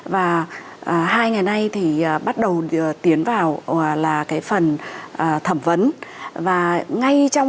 và hai ngày nay thì bắt đầu tiến vào là cái phần thẩm vấn